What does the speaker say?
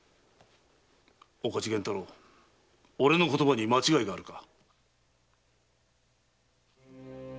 岡地玄太郎俺の言葉に間違いがあるか？